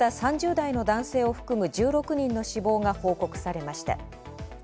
また３０代の男性を含む１６人の死亡が報告されました。